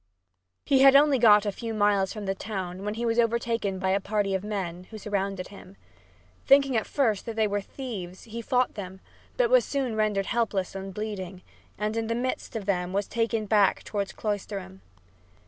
He had got only a few miles from the town when he was overtaken by a party of men, who surrounded him. Thinking at first that they were thieves, he fought them, but was soon rendered helpless and bleeding, and in the midst of them was taken back toward Cloisterham.